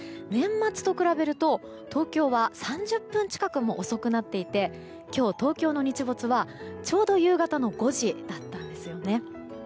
年末と比べると、東京は３０分近くも遅くなっていて今日、東京の日没はちょうど夕方５時だったんです。